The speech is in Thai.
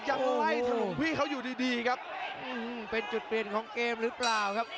โอ้โหต้นยกปลายยกที่สลัดกันเลยครับ